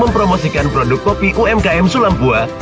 dan mempromosikan produk kopi umkm sulampua